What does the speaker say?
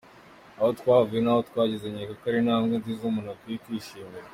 Aho twavuye naho tugeze nyekako ari intambwe nziza umuntu akwiye kwishimira.